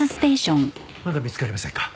まだ見つかりませんか？